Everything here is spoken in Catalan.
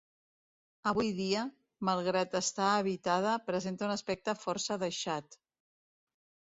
Avui dia, malgrat estar habitada, presenta un aspecte força deixat.